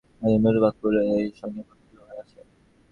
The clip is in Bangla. এইজন্য নিম্নলিখিত বাক্যগুলিও এই সঙ্গে কথিত হইয়াছে।